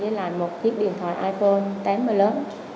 với lại một chiếc điện thoại iphone tám plus